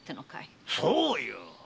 そうよ！